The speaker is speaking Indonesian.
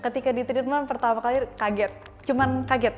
ketika di treatment pertama kali kaget